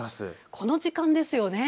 この時間ですよね。